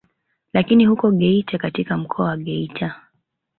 Lakini huko Geita katika mkoa wa Geita